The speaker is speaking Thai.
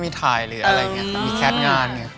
มีถ่ายหรืออะไรอย่างนี้มีแคสต์งานอย่างนี้